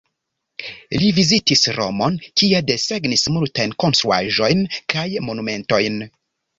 Li vizitis Romon, kie desegnis multajn konstruaĵojn kaj monumentojn.